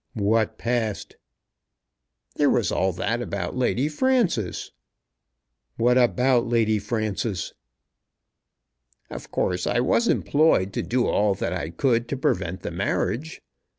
"What passed?" "There was all that about Lady Frances." "What about Lady Frances?" "Of course I was employed to do all that I could to prevent the marriage.